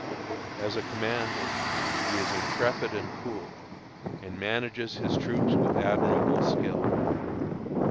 As a commander, he is intrepid and cool, and manages his troops with admirable skill.